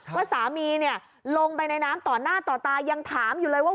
ว่าสามีเนี่ยลงไปในน้ำต่อหน้าต่อตายังถามอยู่เลยว่า